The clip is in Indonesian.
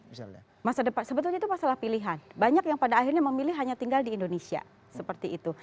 misalnya masa depan sebetulnya itu masalah pilihan banyak yang pada akhirnya memilih hanya tinggal di indonesia seperti itu